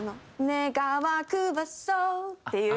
「願わくば、そう」っていう。